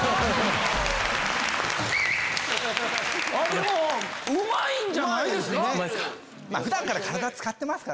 でもうまいんじゃないですか？